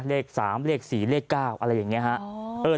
เลข๓เลข๔เลข๙อะไรอย่างนี้ฮะ